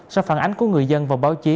sau phản ánh của người dân và báo chí